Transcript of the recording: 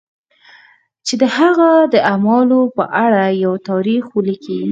چې د هغه د اعمالو په اړه یو تاریخ ولیکي.